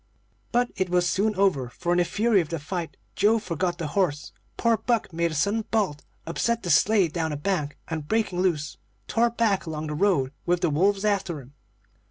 "But it was soon over, for in the fury of the fight Joe forgot the horse; poor Buck made a sudden bolt, upset the sleigh down a bank, and, breaking loose, tore back along the road with the wolves after him.